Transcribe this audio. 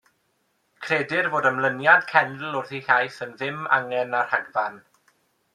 Credir fod ymlyniad cenedl wrth ei hiaith yn ddim angen na rhagfarn.